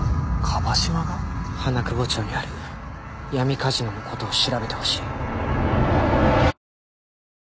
花久保町にある闇カジノの事を調べてほしい。